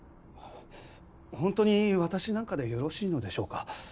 本当に私なんかでよろしいのでしょうか？